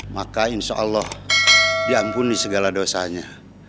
maka insya allah diampuni segala dosanya